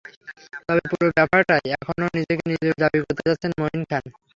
তবে পুরো ব্যাপারটায় এখনো নিজেকে নির্দোষ দাবি করে যাচ্ছেন মঈন খান।